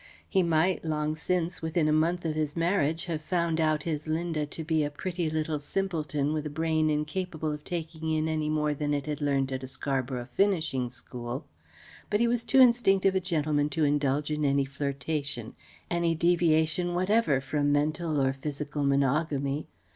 He might, long since, within a month of his marriage have found out his Linda to be a pretty little simpleton with a brain incapable of taking in any more than it had learnt at a Scarborough finishing school; but he was too instinctive a gentleman to indulge in any flirtation, any deviation whatever from mental or physical monogamy.